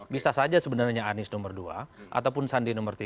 bisa saja sebenarnya anies nomor dua ataupun sandi nomor tiga